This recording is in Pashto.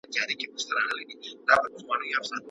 دا پروسه د افغاني کلتور له مخې برابره وه.